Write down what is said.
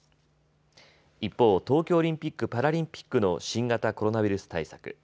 一方、東京オリンピック・パラリンピックの新型コロナウイルス対策。